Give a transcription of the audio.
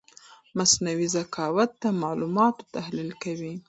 مصنوعي ذکاوت د معلوماتو تحلیل کوي.